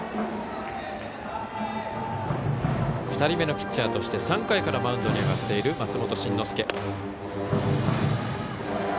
２人目のピッチャーとして３回からマウンドに上がっている松本慎之介。